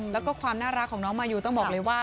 แล้วก็ความน่ารักของน้องมายูต้องบอกเลยว่า